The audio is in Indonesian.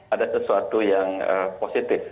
ada sesuatu yang positif